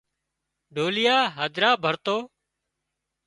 ڍوليا هڌرا ڀرتو